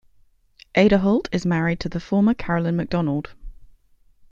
Aderholt is married to the former Caroline McDonald.